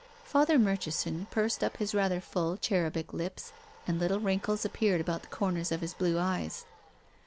Father Murchison pursed up his rather full, cherubic lips, and little wrinkles appeared about the corners of his blue eyes.